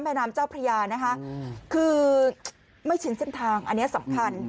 แม่น้ำเจ้าพระยานะคะคือไม่ชินเส้นทางอันนี้สำคัญ